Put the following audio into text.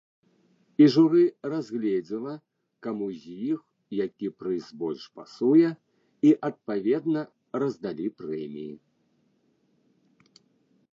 І журы разгледзела, каму з іх які прыз больш пасуе і адпаведна раздалі прэміі.